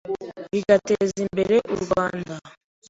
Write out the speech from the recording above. bigateza imbere u Rwanda.